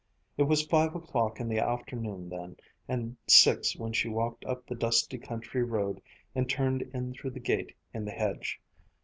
It was five o'clock in the afternoon then, and six when she walked up the dusty country road and turned in through the gate in the hedge.